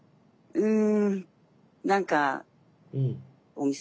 うん。